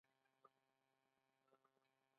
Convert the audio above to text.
فېسبوک د خلکو د احساساتو د څرګندولو ځای دی